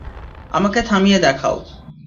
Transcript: আমাকে থামিয়ে দেখাও।